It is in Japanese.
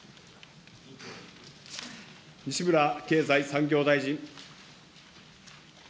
西村経済産業大臣。